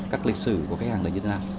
các lịch sử của khách hàng này như thế nào